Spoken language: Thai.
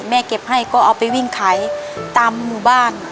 เก็บให้ก็เอาไปวิ่งขายตามหมู่บ้าน